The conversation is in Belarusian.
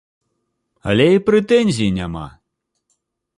Але і прэтэнзій няма!